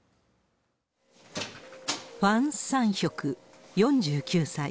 ファン・サンヒョク４９歳。